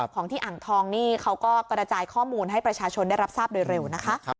ของที่อ่างทองนี่เขาก็กระจายข้อมูลให้ประชาชนได้รับทราบโดยเร็วนะคะ